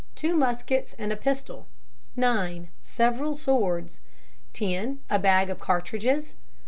Two muskets and a pistol. 9. Several swords. 10. A bag of cartridges.